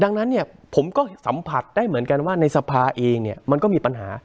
ดังนั้นเนี่ยผมก็สัมผัสได้เหมือนกันว่าในสภาเองเนี่ยมันก็มีปัญหา